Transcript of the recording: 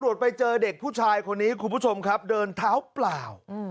ไปเจอเด็กผู้ชายคนนี้คุณผู้ชมครับเดินเท้าเปล่า